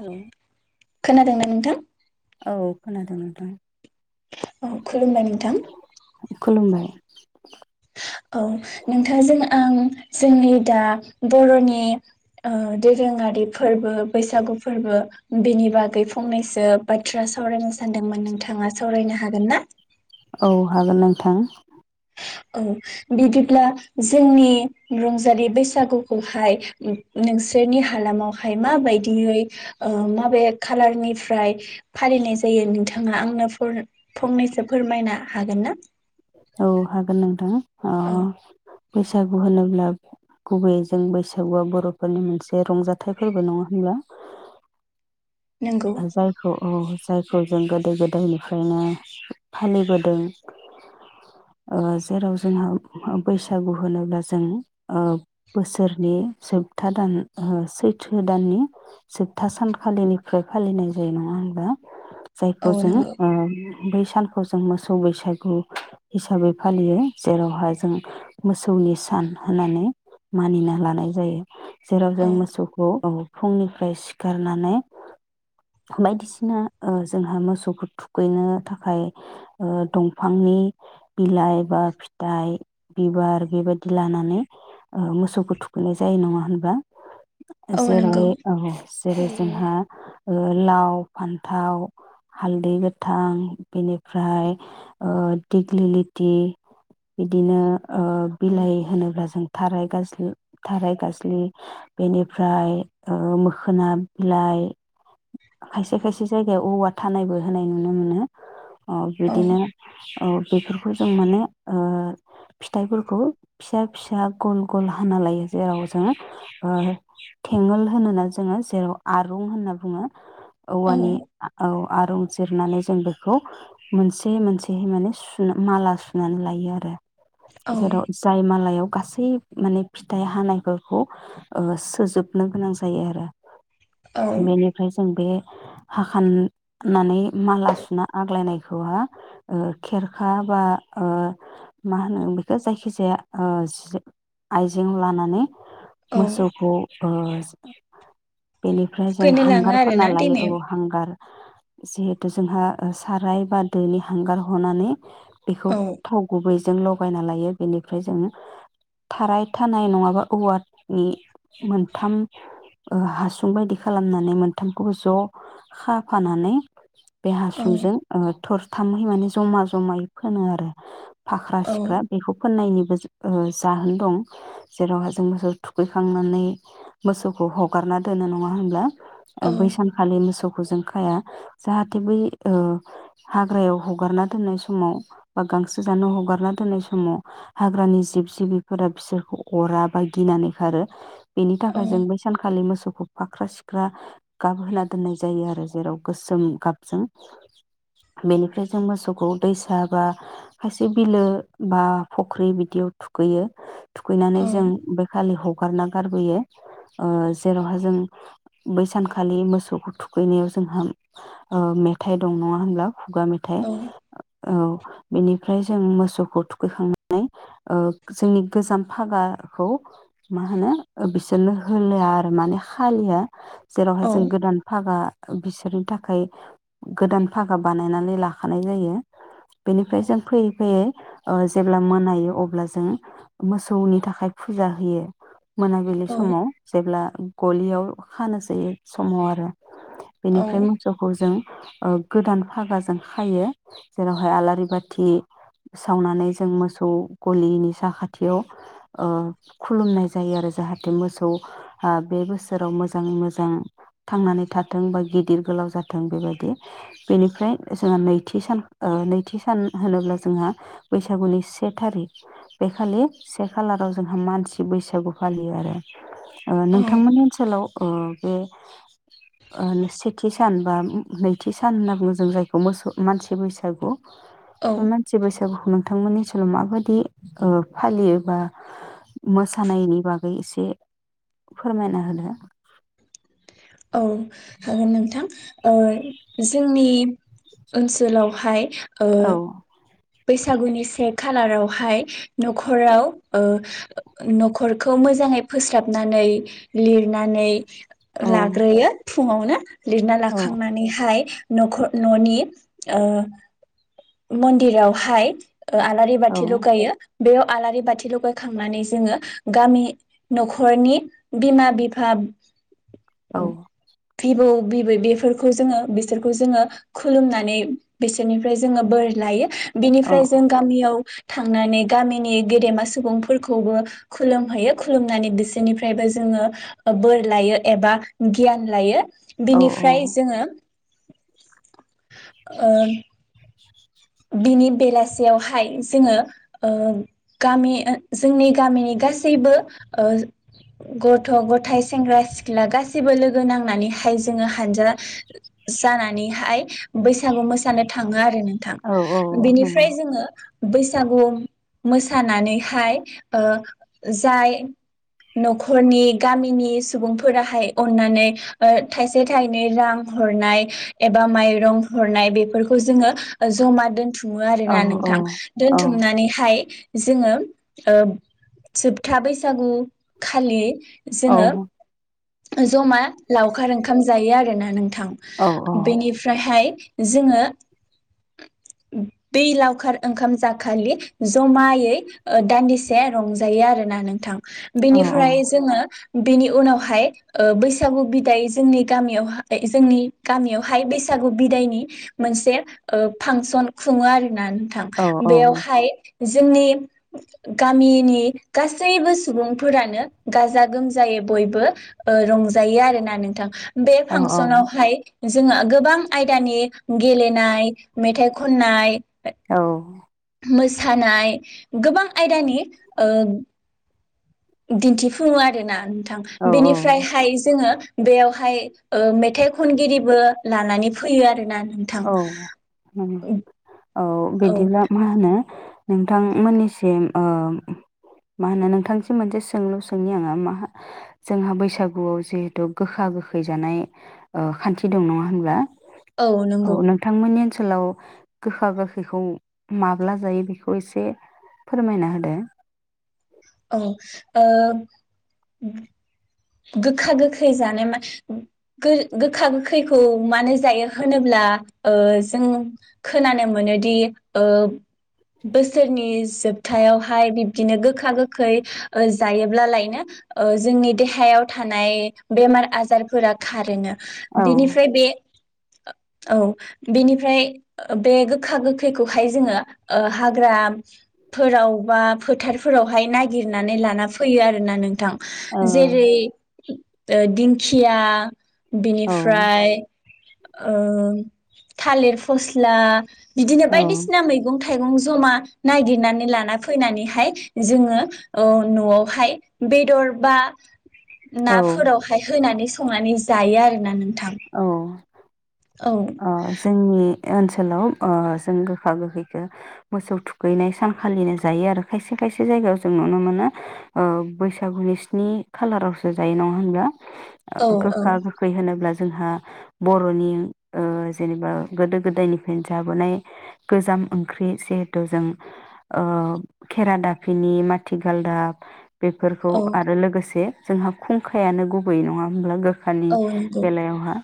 हेल' खोनादोंना नोंथां? औ खोनादों नोंथां। औ खुलुमबाय नोंथां खलुमबाय औ नोंथाङा जों आं जोंनि दा बर'नि दोरोङारि ओ फोरबो बैसागु फोरबो बिनि बागै फंनैसो बाथ्रा सावरायनो सानदोंमोन नोंथाङा सावरायनो हागोन ना? औ हागोन नोंथां। औ बिदिब्ला जोंनि रंजालि बैसागुखौहाय नोंसोरनि हालामावहाय माबायदियै ओ माबे खालारनिफ्राय फालिनाय जायो नोंथाङा आंनो फो-फंनैसो फोरमायनो हागोन ना औ हागोन नोंथां। औ अह बैसागु होनोब्ला गुबैयैजों बैसागुआ बर'फोरनि मोनसे रंजाथाइ फोरबो नङा होनब्ला? नंगौ जायखौ औ जायखौ जों गोदो गोदायनिफ्रायनो फालिबोदों ओ जेराव जोंहा बैसागु होनोब्ला जों ओ बोसोरनि जोबथा दान सैथो दाननि जोबथा सानखालिनि खो फालिनाय जायो नङा होमबा? औ जायखौ जोङो नंगौ ओ बै सानखौ जों मोसौ बैसागु हिसाबै फालियो। जेरावहाय जों मोसौनि सान होननानै मानिना लानाय जायो। जेराव जों औ मोसौखौ औ फुंनिफ्राय सिखारनानै बायदिसिना ओ जोंहा मोसौखौ थुखैनो थाखाय ओ दंफांनि बिलाइ बा फिथाइ, बिबार बेबायदि लानानै ओ मोसौखौ थुखैनाय जायो नङा होनबा? औ जेरै नंगौ औ जेरै जोंहा ओ लाव, फान्थाव, हालदै गोथां बेनिफ्राय ओ दिग्लिलिथि बिदिनो ओ बिलाइ होनोब्ला जों थाराय गाज्लि थाराय गाज्लि बेनिफ्राय ओ मोखोना बिलाइ खायसे खायसे जायगायाव औवा थानायबो होनाय नुनो मोनो। औ बिदिनो औ बेफोरखौ जों माने ओ फिथाइफोरखौ फिसा फिसा गल गल हाना लायो जेराव जोङो ओ थेंगोल होनोना जोङो जेराव आरुं होनना बुङो औ औवानि आ औ आरं जिरनानै जों बेखौ मोनसे मोनसेहै माने सु माला सुनानै लायो आरो औ जेराव जाय मालायाव गासै माने फिथाइ हानायफोरखौ ओ सोजोबनो गोनां जायो आरो औ बेनिफ्राय जों बे हा खाननानै माला सुना आग्लायनाय खौहा ओ खेरखा बा ओ मा होनो बेखौ जायखिजाया ओ जिये आइजें लानानै औ मोसौखौ ओ बेनिफ्राय जों थुखैनो लाङो आरोना हांगारफोनना दैमायाव लायो औ हांगार जिहेथु जोंहा ओ साराय बा दोनि हांगार हनानै बेखौ औ थाव गुबै जों लगायना लायो बेनिफ्राय जों थाराय थानाय नङाबा औवानि मोनथाम ओ हासुं बायदि खालामना नै मोनथामखौ ज' खाफानानै बे औ हासुंजों ओ थरथामहै माने जमा जमायै फोनो आरो फाख्रा औ सिख्रा बेखौ फोननायनिबो ज ओ जाहोन दं जेरावहा जों मोसौ थुखैखांनानै मोसौखौ हगारना दोनो नङा होनब्ला? ओ औ बै सानखालि मोसौखो जों खाया जाहाथे बै ओ हाग्रायाव हगारना दोननाय समाव बा गांसो जानो हगारना दोननाय समाव हाग्रानि जिब जिबिफोरा बिसोरखौ अरा बा गिनानै खारो। बेनि औ थाखाय जों बै सानखालि मोसौ बोखौ फाख्रा सिख रा गाबहोना दोननाय जायो आरोज जेराव गोसोम गाबजों बेनिफ्रायजों मोसौखौ दैसा बा खायसे बिलो बा फख्रि बिदियाव थुखैयो। औ थुखैनानै जों बे खालि हग हगारना गारबोयो ओ जेरावहा जों बै सानखालि मोसौखो थुखैनायाव जोंहा ओ मेथाइ दं नङा होमब्ला? खुगा मेथाइ औ ओ औ बेनि फ्राय जों मोसौखौ थुखैखांनानै ओ जोंनि गोजाम फागाखौ माहोनो ओ बिसोरनो होलायआ आरो माने खालिया। जेरावहाय जों गोदान फागा ओ बिसोरनि थाखाय गोदान फागा बानाय नायनानै लाखानाय जायो बेनिफ्राय जों फैयै फैयै ओ जेब्ला मोनायो अब्ला जों मोसौनि थाखाय फुजा होयो। मोनाबिलि समाव जेब्ला ओ गलियाव खानोसै समाव आरो औ बेनिफ्राय मोसौखौ जों ओ गोदान फागाजों खायो जेरावहाय आलारिबाथि सावनानै जों मोसौ गलिनि साखाथियाव ओ खुलुमनाय जायो आरो जाहाथे मोसौ ओ बे बोसोराव मोज मोजां मोजां थांनानै थाथों बा गिदिर गोलाव जाथों बेबायदि बेनिफ्राय जोंहा नैथि सान ओ नैथि सान होनोब्ला जोंहा बैसागुनि से थारिख बे खालि से खालाराव जोंहा मानसि बैसागु फालियो आरो ओ औ नोंथांमोननि ओनसोलाव अ बे ओन सेथि सान बा उम नैथि सान होनना बुङो जोंङो जायखौ मोसौ मानसि बैसागु। औ मानसि बैसागुखोनो थांमोननि ओनसोलाव माबादि ओ फालियो बा मोसानायनि बागै एसे फोरमायना होदो? औ हागोन नोंथां। ओ जोंनि ओनसोलावहाय ओ औ बैसागुनि से खालारावहाय न'खराव ओ न'खरखौ मोजाङै फोसाबनानै लिरनानै ओ औ लाग्रोयो। फुङावनाो। लिरना औ लाखांनानैहाय। नख ननि ओह मन्दिराव। हाइ ओ आलारि औ बाथि लुगायो। बेयाव आलारि बाथि लगायखांनानै जोंङो गामि न'खरनि बिमा बिफा औ भिबौ बिबै बेफोरखौ जोंङो बिसोरखौ जोंङो खुलुमनानै बिसोरनिफ्राय जोंङो बोर लायो। औ बिनिफ्राय जों गामियाव थांनानै गामिनि गेदेमा सुबुंफोरखौबो खुलुमहैयो खुलुमनानै बिसोरनिफ्रायबो जोंङो बोर लायो एबा गियान लायो। औ बिनिफ्राय जोङो ओ [unintelligible] बिनि बेलासियावहाय जोंङो ओ गामि ओन जोंनि गामिनि गासैबो ओ गथ' गथाय सेंग्रा सिख्ला गासैबो लोगो नांनानैहाय जोंङो हानजा जानानैहाय बैसागु मोसानो थांङो आरो नोंथां औ औ नंगौ बिनिफ्राय जोंङो बैसागु मोसानानैहाय ओ जाय न'खरनि गामिनि सुबुंफोराहाय अननानै ओ थाइसे थाइनै रां हरनाय एबा माइरं हरनाय बेफोरखौ जोंङो जमा दोनथु मो औ आरोना औ नोंथां औ दोनथुमनानैहाय जोंङो ओ जोबथा बैसागु खालि जोंङो औ जमा लावखार ओंखाम जायो आरोना नोंथां औ बेनिफ्रायहाय जोंङो बै लावखार ओंखाम जाखालि जमायै दान्दिसे रंजायो आरोना नोंथां बेनिफ्राय जोंङो बेनि उनावहाय ओ बैसागु बिदाय जोंनि गामियावहा जोंनि गामियावहाय बैसागु बिदायनि मोनसे ओ फांसन खुंङो आरो ना नोंथां बेयावहाय जोंनि गामिनि गासैबो सुबुंफोरानो गाजा गोमजायै बयबो रंजायो आरोना नोंथां बे फांसनावहाय जोंहा गोबां आयदानि गेलेनाय मेथाइ खननाय औ मोसानाय गोबां आयदानि ओ दिन्थिफुङो आरोना थां‌ औ बेनिफ्रायहाय जोंङो बेयावहाय ओ मेथाइ खनगिरिबो लानानै फैयो आरोना नोंथां औ औ औ बिदिब्ला मा होनो नोंथांमोननिसिम ओ मा होनो नोंथांसिम मोनसे सोंलु सोंनि आंङो मा जोंहा बैसागुआव जिहेथु गोखा गोखै जानाय ओ खान्थि दं नंङा होनब्ला। औ नोंथांमोननि ओन लाव गोखा गोखैखौ माब्ला जायो बेखौ एसे फोरमायना होदो। औ ओ गोखा गोखै जानाय मा गो गोखा गोखैखौ मानो जायो होनोब्ला ओ जों खोनानो मोनोदि ओ बोसोरनि जोब थायावहाय बिब्दिनो गोखा गोखै ओ जायोब्लालायनो ओ जोंनि देहा हायाव थानाय बेमार आजारफोरा खारोनो औ बेनिफ्राय बे औ बेनिफ्राय बे गोखा गोखैखौहाय जोङो ओ हाग्राफोराव बा फोथारफोरावहाय नागिरनानै लाना फैयो आरोना नोंथां। ओ जेरै ओ दिंखिया औ बिनिफ्राय ओ थालिर फस्ला बिदिनो औ बायदिसिना मैगं थाय थाइगं जमा नागिरनानै लाना फैनानैहाय जोङो ओ न'आवहाय बेदर बा [inaudible] औ नाफोरावहाय होनानै स संनानै जायो आरोना नों औ अ जोंनि ओनसोलाव ओ जों गोखा गोखैखो मोसौ थुखैनाय सानखालिनो जायो आरो खायसे खायसे जायगायाव जों नुनो मोनो ओ बैसागुनि स्नि खालारावसो जायो नङा होनब्ला। औ औ गोखा गोखै होनोब्ला जोंहा बर'नि ओ जेनेबा गोदो गोदायनिफ्रायनो जाबोनाय गोजाम ओंख्रि जिहेथु जों ओ खेरा दाफिनि माथि गालदाब बेफोरखौ औ आरो लोगोसे जोंहा खुंखायानो गुबै नङा होमब्ला गो खानि औ नंगौ बेलायावहा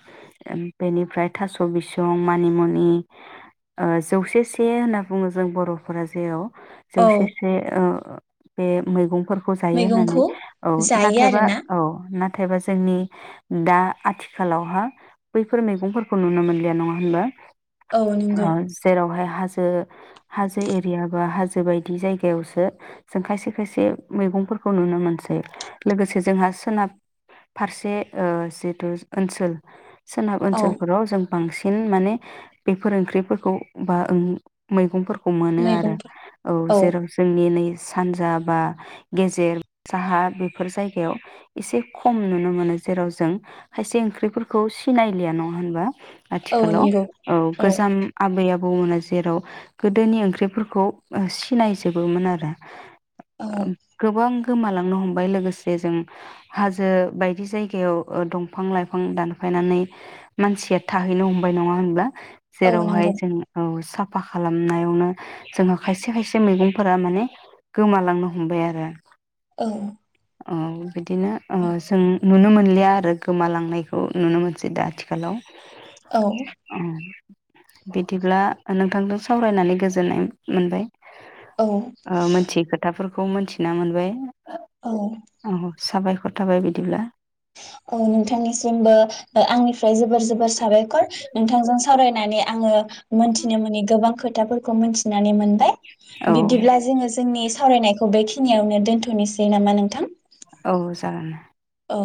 बेनिफ्राय थास' बिसं मानिमुनि ओ जौसे से होनना बुङो जों बर'फोरा जेराव औ जौसे से ओ बे मैगं फोर खौ जायो होननानै मैगंखौ औ जायो नाथायबा आरोना औ ना थायबा जोंनि दा आथिखालावहा बैफोर मैगं फोर खौ नुनो मोनलिया नङा होनबा? औ जेरावहाय हाजो हाजो एरिया बा हाजो बायदि जायगायावसो जों खायसे खायसे मैगंफोरखौ नुनो मोनसै लोगोसे जोंहा सोनाब फारसे ओ जिथु ओनसोल सोनाब औ ओनसोल बांसिन माने बेफोर ओंख्रिफोरखौ बा ओ मैगं खौ मोनो आरो मैगंफोर औ जेराव जोंनि नै सानजा बा गेजेर साहा बेफोर जायगायाव एसे खम नुनो मोनो जेराव जों खायसे ओंख्रिफोरखौ सिनायलिया नङा होमबा? औ आथिखालाव नंगौ औ गोजाम आबै आ बौमोना जेराव गोदोनि ओंख्रिफोरखौ ओ सिनायजोबोमोन आरो। औ गोबां गोमालांनो हमबाय लोगोसे जों हाजो बायदि जायगायाव ओ दंफां लाइफां दानफायनानै मानसिया थाहैनो हमबाय नङा होनबा? औ जेरावहाय नंगौ जों औ सा फा खालामनायावनो जोंहा खायसे खायसे मैगंफोरा माने गोमालांनो हमबाय आरो। औ। औ बिदिनो ओ जों नुनो मोनलिया आरो गोमालांनायखौ नुनो मोनसै दा [unintelligible] औ अह। बिदिब्ला नोंथांजों सावरायनानै गोजोननाय मोनबाय। औ ओ मोनथियै खोथाफोर खौ मिनथिना मोनबाय। औ औ साबाय खर थाबाय बिदिब्ला। औ नोंथांनिसिमबो ओ आंनिफ्राय जोबोर जोबोर साबायखर, नोंथांजों सावरायनानै आङो मोनथिनो मोनि गोबां खो थाफोरखौ मोनथिनानै मोन बाय औ बिदिब्ला जोंङो जोंनि सावरायनायखौ बेखिनियावनो दोनथ'नोसै नामा नोंथां? औ जागोन। औ।